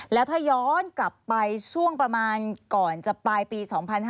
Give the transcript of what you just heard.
แล้วถ้าย้อนกลับไปช่วงประมาณก่อนจะปลายปี๒๕๕๙